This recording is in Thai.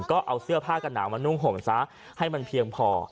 ก็เอาเสื้อผ้ากันหนาวมานุ่งห่มซะให้มันเพียงพอ